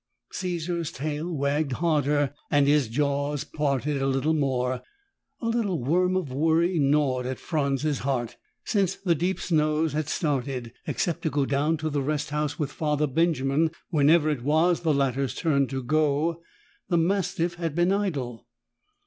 Caesar's tail wagged harder and his jaws parted a bit more. A little worm of worry gnawed at Franz's heart. Since the deep snows had started, except to go down to the rest house with Father Benjamin whenever it was the latter's turn to go, the mastiff had been idle.